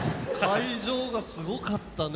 会場がすごかったね